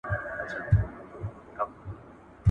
سفارتونو د کډوالو ستونزي د کوربه هیوادونو سره شریکولې.